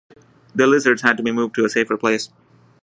The lizards had to be moved to a safer place.